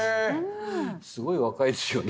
すごい若いですよね。